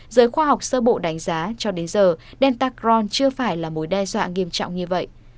giới khoa học sơ bộ đánh giá cho đến giờ deltacron chưa phải là mối đe dọa nghiêm trọng như vậy